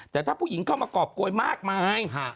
แต่ถ้าผู้หญิงเข้ามากรอบโกยมากมาย